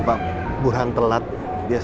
mas yang kuat mas